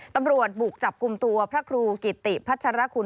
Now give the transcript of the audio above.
ตำรวจบุกจับกลุ่มตัวพระครูกิติพัชรคุณ